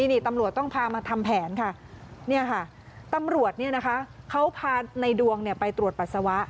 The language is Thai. นี่ตำรวจต้องพามาทำแผนค่ะตำรวจเขาพาในดวงไปตรวจปัสสาวะ